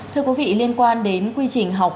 thưa quý vị liên quan đến quy trình học